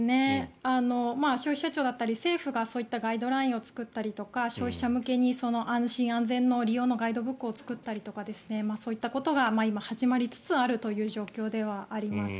消費者庁だったり政府がそういったガイドラインを作ったりだとか消費者向けに安心安全の利用のガイドブックを作ったりとかそういったことが始まりつつあるということだと思います。